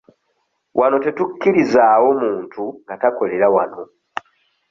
Wano tetukkirizaawo muntu nga takolera wano.